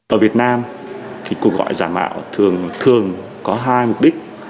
ở việt nam cuộc gọi giả mạo thường có hai mục đích